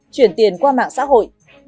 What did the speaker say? chuyển tiền qua mạng xã hội